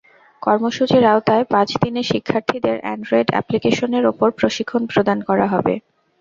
কর্মসূচির আওতায় পাঁচ দিনে শিক্ষার্থীদের অ্যান্ড্রয়েড অ্যাপ্লিকেশনের ওপর প্রশিক্ষণ প্রদান করা হবে।